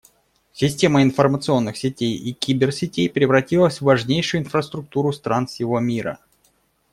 Система информационных сетей и киберсетей превратилась в важнейшую инфраструктуру стран всего мира.